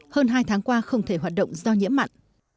hơn hai tháng qua không thể hoạt động do nhiễm mặn